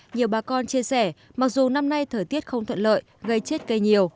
nhiều bà con chia sẻ mặc dù năm nay thời tiết không thuận lợi gây chết cây nhiều